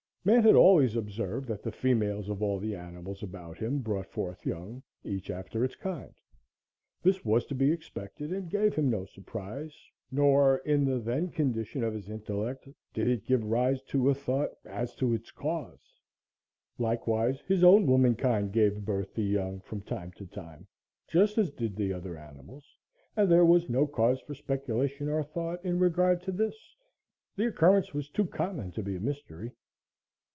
Man had always observed that the females of all the animals about him brought forth young, "each after its kind." This was to be expected and gave him no surprise, nor, in the then condition of his intellect, did it give rise to a thought as to its cause. Likewise, his own womankind gave birth to young, from time to time, just as did the other animals, and there was no cause for speculation or thought in regard to this; the occurrence was too common to be a mystery.